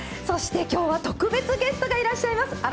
そしてきょうは特別ゲストがいらっしゃいます。